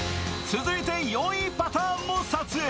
続いて４位パターンも撮影。